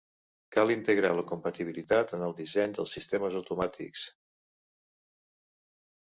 Cal integrar la comptabilitat en el disseny del sistemes automàtics.